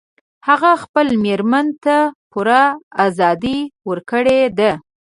هغه خپلې میرمن ته پوره ازادي ورکړي ده